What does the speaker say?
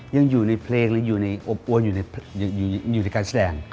ยังอยู่ในเพลงยังอยู่ในการแสดง